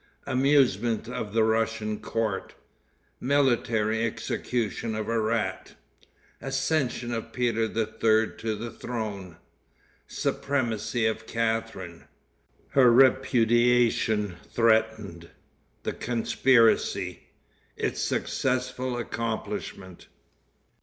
Amusements of the Russian Court. Military Execution of a Rat. Accession of Peter III. to the Throne. Supremacy of Catharine. Her Repudiation Threatened. The Conspiracy. Its Successful Accomplishment.